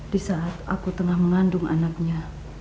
di saat aku tengah mengandung anaknya